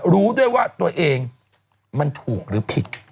รู้ด้วยว่าตัวเองมันถูกหรือผิด